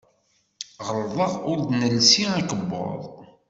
Ɣelḍeɣ ur d-nelsi akebbuḍ.